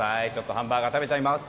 ハンバーガー食べちゃいます。